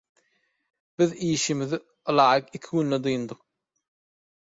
Biz işimizi ylaýyk iki günde dyndyk.